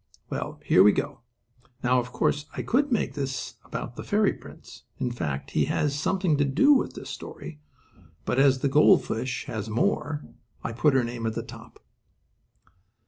Well, here we go. Now, of course, I could make this about the fairy prince in fact, he has something to do with this story but as the gold fish has more, I put her name at the top.